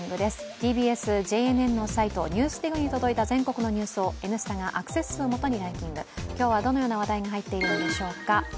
ＴＢＳ・ＪＮＮのサイト「ＮＥＷＳＤＩＧ」に届いた全国のニュースを「Ｎスタ」がアクセス数をもとにランキング、今日はどのような話題が入っているのでしょうか。